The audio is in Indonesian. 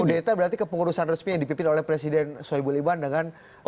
kudeta berarti kepengurusan resmi yang dipimpin oleh presiden soeboleman dengan pak salim sika